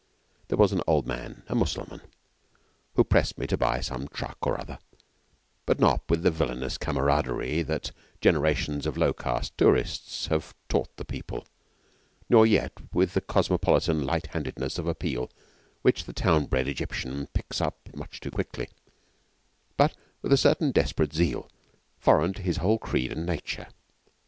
There was an old man a Mussulman who pressed me to buy some truck or other, but not with the villainous camaraderie that generations of low caste tourists have taught the people, nor yet with the cosmopolitan light handedness of appeal which the town bred Egyptian picks up much too quickly; but with a certain desperate zeal, foreign to his whole creed and nature.